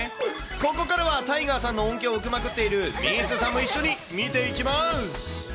ここからは、タイガーさんの恩恵を受けまくっているみーすーさんも一緒に見ていきます。